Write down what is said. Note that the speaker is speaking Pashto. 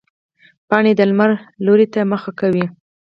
پاڼې د لمر لوري ته مخ کوي